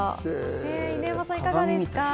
犬山さん、いかがですか？